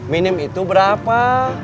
minim itu berapa